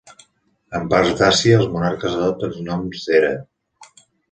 En parts d'Àsia, els monarques adopten noms d'era.